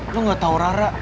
lo gak tau rara